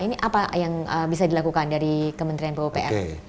ini apa yang bisa dilakukan dari kementerian pupr